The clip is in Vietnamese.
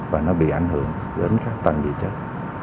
và nó bị ảnh hưởng đến các tầng địa chất